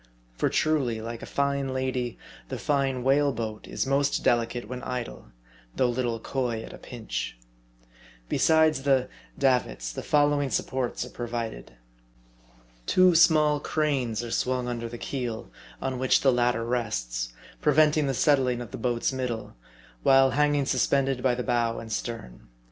For truly, like a fine lady, the fine whale boat is most delicate when idle, though little coy at a pinch. Besides the "davits," the following supports are provided. Two small cranes are swung under the keel, on which the latter rests, preventing the settling of the boat's middle, while hanging suspended by the bow and stern.